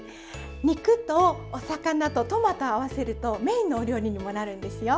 肉とお魚とトマトを合わせるとメインのお料理にもなるんですよ。